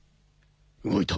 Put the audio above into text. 動いた！